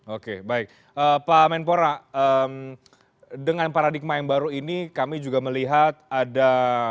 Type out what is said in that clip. oke baik pak menpora dengan paradigma yang baru ini kami juga melihat ada